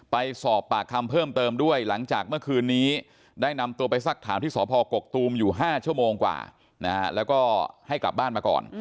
ไปสอบปากคำเพิ่มเติมด้วยหลังจากเมื่อคืนนี้ได้นำตัวไปสักถามที่สพกกตูมอยู่๕ชั่วโมงกว่าแล้วก็ให้กลับบ้านมาก่อน